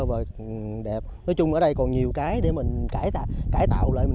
và đẹp nói chung ở đây còn nhiều cái để mình cải tạo cải tạo lại